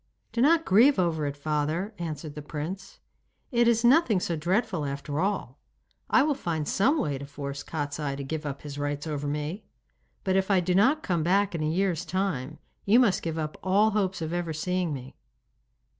'Do not grieve over it, father,' answered the prince. 'It is nothing so dreadful after all! I will find some way to force Kostiei to give up his rights over me. But if I do not come back in a year's time, you must give up all hopes of ever seeing me.